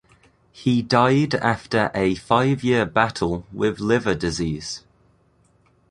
He died after a five-year battle with liver disease.